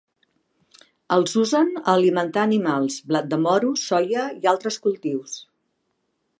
Els usen a alimentar animals: blat de moro, soia, i altres cultius.